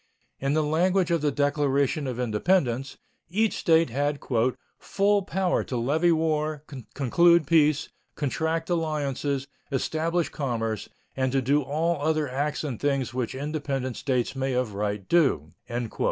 In the language of the Declaration of Independence, each State had "full power to levy war, conclude peace, contract alliances, establish commerce, and to do all other acts and things which independent states may of right do."